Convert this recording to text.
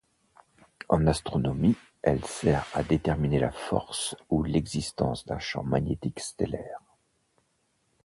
En astronomie, elle sert à déterminer la force ou l'existence d'un champ magnétique stellaire.